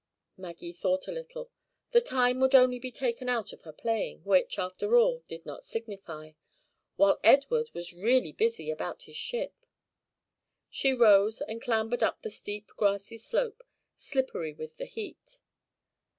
Maggie thought a little. The time would only be taken out of her playing, which, after all, did not signify; while Edward was really busy about his ship. She rose, and clambered up the steep grassy slope, slippery with the heat.